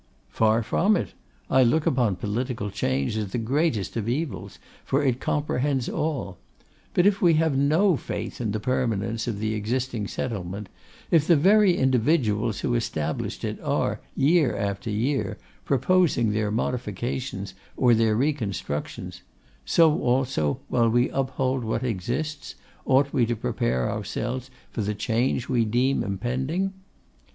'Far from it: I look upon political change as the greatest of evils, for it comprehends all. But if we have no faith in the permanence of the existing settlement, if the very individuals who established it are, year after year, proposing their modifications or their reconstructions; so also, while we uphold what exists, ought we to prepare ourselves for the change we deem impending?